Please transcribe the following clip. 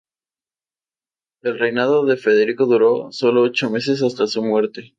El reinado de Federico duró solo ocho meses hasta su muerte.